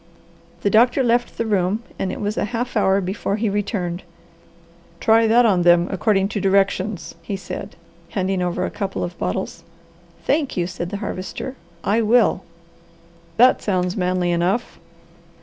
The doctor left the room and it was a half hour before he returned. "Try that on them according to directions," he said, handing over a couple of bottles. "Thank you!" said the Harvester, "I will!" "That sounds manly enough."